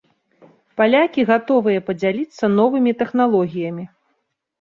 Палякі гатовыя падзяліцца новымі тэхналогіямі.